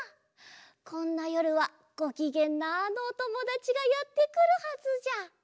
こんなよるはごきげんなあのおともだちがやってくるはずじゃ。